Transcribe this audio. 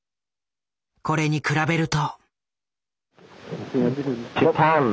これに比べると。